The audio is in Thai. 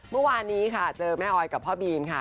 เมื่อวานนี้ค่ะเจอแม่ออยกับพ่อบีมค่ะ